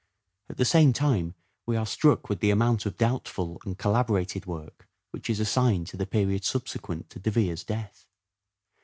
At the same time, we are struck with the amount of doubtful and collaborated work which is assigned to the period subsequent to De Vere's death.